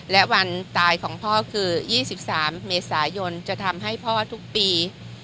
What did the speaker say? และวันตายของพ่อคือ๒๓เมษายนจะทำให้พ่อทุกปี